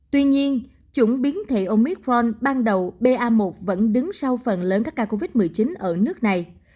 tuy nhiên chủng biến thể omithron ban đầu ba một vẫn đứng sau phần lớn các ca covid một mươi chín ở nước này